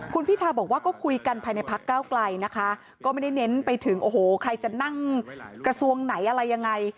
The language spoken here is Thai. คุณพิทาบอกว่าก็คุยกันภายในพักเก้าไกลนะคะก็ไม่ได้เน้นไปถึงโอ้โหใครจะนั่งกระทรวงไหนอะไรยังไง